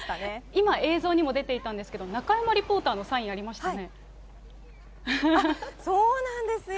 今、映像にも出ていたんですけど、中山リポーターのサインあそうなんですよ。